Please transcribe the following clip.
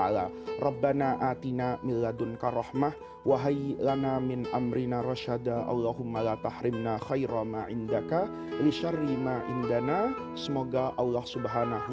semoga allah swt senantiasa membersamai kita semua